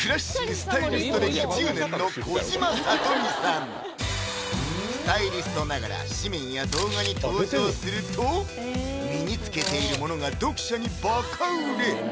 スタイリスト歴１０年の児嶋里美さんスタイリストながら誌面や動画に登場すると身につけているものが読者にバカ売れ